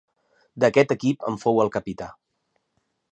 D'aquest equip en fou el capità.